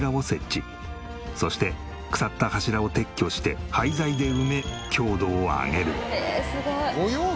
そして腐った柱を撤去して廃材で埋め強度を上げる。